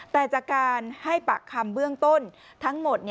แต่จากการให้ปากคำเบื้องต้นทั้งหมด